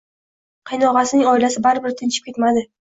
Qaynog`asining oilasi baribir tinchib ketmadi